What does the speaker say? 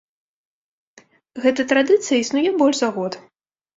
Гэта традыцыя існуе больш за год.